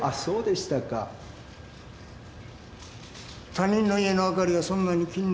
他人の家の明かりがそんなに気になりますか。